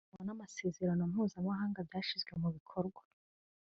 ibiteganywa n’amasezerano mpuzamahanga byashyizwe mu bikorwa